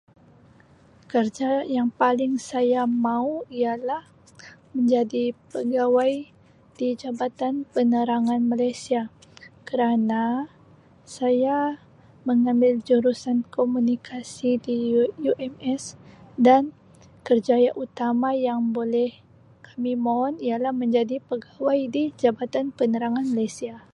Kerja yang paling saya mau ialah menjadi pegawai di Jabatan Penerangan Malaysia kerana saya mengambil jurusan Komunikasi di U- UMS dan kerjaya utama yang boleh kami mohon ialah menjadi pegawai di Jabatan Penerangan Malaysia.